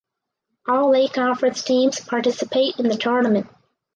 All eight conference teams participate in the tournament.